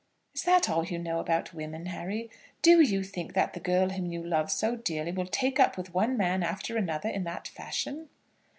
"Is that all you know about women, Harry? Do you think that the girl whom you love so dearly will take up with one man after another in that fashion?"